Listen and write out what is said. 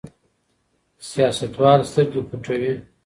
سیاستوال سترګې پټوي.